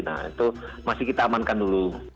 nah itu masih kita amankan dulu